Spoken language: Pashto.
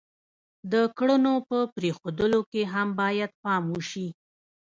د کړنو په پرېښودلو کې هم باید پام وشي.